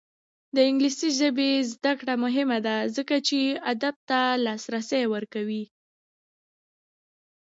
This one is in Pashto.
د انګلیسي ژبې زده کړه مهمه ده ځکه چې ادب ته لاسرسی ورکوي.